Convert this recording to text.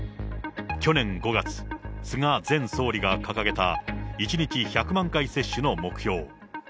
去年５月、菅前総理が掲げた１日１００万回接種の目標。